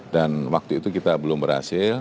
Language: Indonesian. dan waktu itu kita belum berhasil